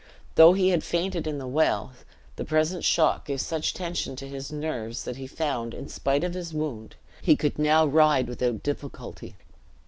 Though he had fainted in the well, the present shock gave such tension to his nerves, that he found, in spite of his wound, he could now ride without difficulty.